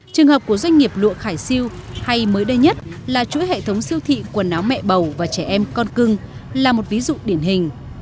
trường hợp của doanh nghiệp lụa khải siêu hay mới đây nhất là chuỗi hệ thống siêu thị quần áo mẹ bầu và trẻ em con cưng là một ví dụ điển hình